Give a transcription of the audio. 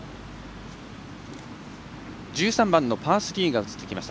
１３番のパー３が映ってきました。